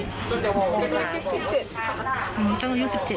ตอนนี้ต้องปี๑๗ครับ